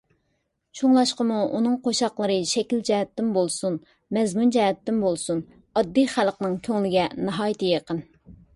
شۇڭلاشقىمۇ ئۇنىڭ قوشاقلىرى شەكىل جەھەتتىن بولسۇن، مەزمۇن جەھەتتىن بولسۇن، ئاددىي خەلقنىڭ كۆڭلىگە ناھايىتى يېقىن.